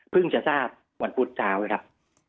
จะทราบวันพุธเช้านะครับ